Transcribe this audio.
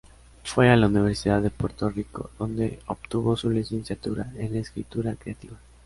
Fue a la Universidad de Puerto Rico, donde obtuvo su licenciatura en Escritura Creativa.